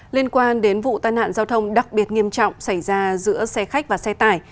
liên quan đến vụ tai nạn giao thông đặc biệt nghiêm trọng xảy ra giữa xe khách và xe tải